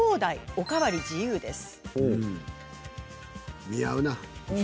お代わり自由です。